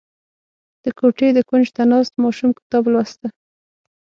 • د کوټې د کونج ته ناست ماشوم کتاب لوسته.